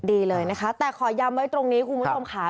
ดีเลยนะคะแต่ขอย้ำไว้ตรงนี้คุณผู้ชมค่ะ